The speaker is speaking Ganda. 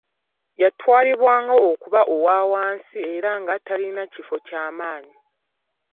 Yatwalibwanga okuba owa wansi era nga talina kifo ky'amaanyi